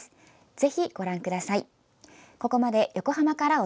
ぜひ、ご覧ください。